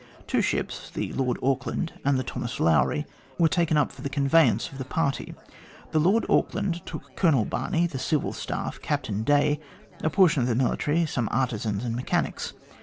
Two ships, the Lord Auckland and the Thomas Lowry, were taken up for the conveyance of the party. The Lord Auckland took Colonel Barney, the civil staff, Captain Day, a portion of the military, some artizans and mechanics.